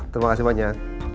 terima kasih banyak